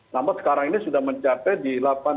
namun sekarang ini sudah mencapai di delapan puluh dua